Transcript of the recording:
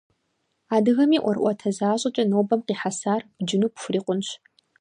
Адыгэми ӏуэрыӏуатэ защӏэкӏэ нобэм къихьэсар бджыну пхурикъунщ.